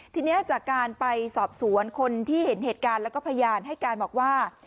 ทีนี้จากการไปสอบสวนคนที่เห็นเหตุการณ์แล้วก็พยานให้การบอกว่า